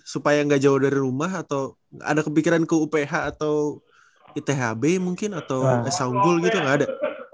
supaya gak jauh dari rumah atau ada kepikiran ke uph atau ithb mungkin atau sambul gitu gak ada